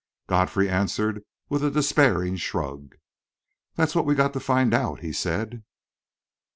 Godfrey answered with a despairing shrug. "That is what we've got to find out," he said.